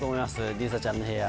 里依紗ちゃんの部屋